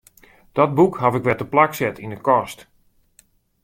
Dat boek haw ik wer teplak set yn 'e kast.